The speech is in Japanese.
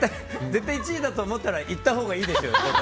絶対１位だと思ったらいったほうがいいですよ。